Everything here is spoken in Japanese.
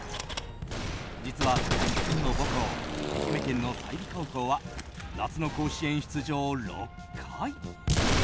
実は高岸さんの母校愛媛県の済美高校は夏の甲子園出場６回。